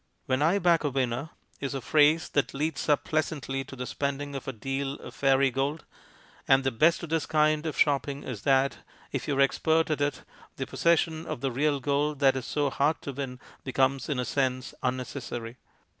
" When I back a winner " is a phrase that leads up pleasantly to the spending of a deal of fairy gold, and the THE PHILOSOPHY OF GAMBLING 213 best of this kind of shopping is that if you are expert at it the possession of the real gold that is so hard to win becomes in a sense unnecessary.